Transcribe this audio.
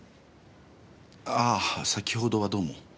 ああ先ほどはどうも。